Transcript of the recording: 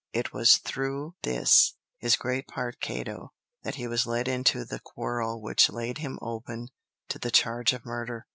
It was through this, his great part of Cato, that he was led into the quarrel which laid him open to the charge of murder.